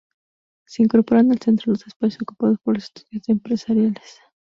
Se incorporan al Centro los espacios ocupados por los estudios de Empresariales.